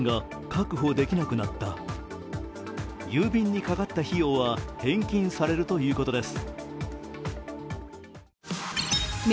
確保できなくなった郵便にかかった費用は返金されるということです。